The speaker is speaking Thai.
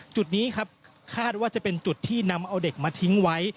จุดนี้ครับคาดว่าจะเป็นจุดที่นำเอาเด็กมาทิ้งไว้